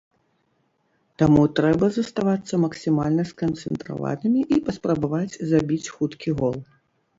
Таму трэба заставацца максімальна сканцэнтраванымі і паспрабаваць забіць хуткі гол.